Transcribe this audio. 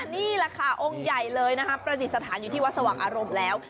นี่แหละค่ะองค์ใหญ่เลยนะคะประดิษฐานอยู่ที่วัดสว่างอารมณ์แล้ว